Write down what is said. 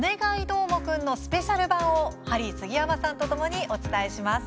どーもくん」のスペシャル版をハリー杉山さんとお伝えします。